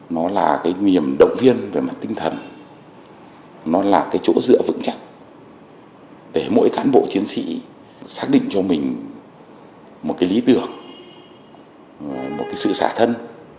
nó là cái niềm động viên về mặt tinh thần nó là cái chỗ dựa vững chắc để mỗi cán bộ chiến sĩ xác định cho mình một cái lý tưởng một cái sự xả thân